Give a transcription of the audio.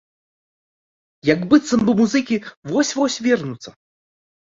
Як быццам бы музыкі вось-вось вернуцца.